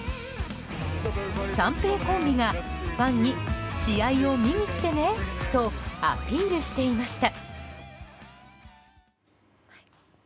サンペイコンビがファンに試合を見に来てねとアピールしていました。